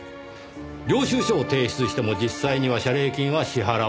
領収書を提出しても実際には謝礼金は支払われずプールされる。